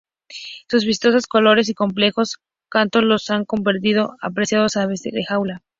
Sus vistosos colores y complejos cantos los han convertido en apreciadas aves de jaula.